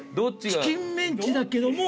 チキンメンチだけども。